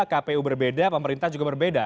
kpu berbeda pemerintah juga berbeda